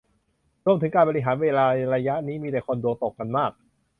รวมถึงการบริหารเวลาระยะนี้มีแต่คนดวงตกกันมาก